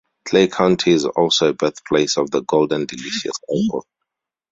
Clay County is also the birthplace of the "Golden Delicious" Apple.